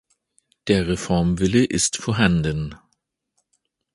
Der Reformwille ist vorhanden.